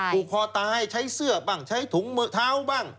ผูกคอตายใช้เสื้อบ้างใช้ถุงมือเท้าบ้าง